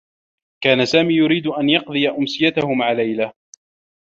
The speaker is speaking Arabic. كان سامي يريد أن يقضي أمسيته مع ليلى.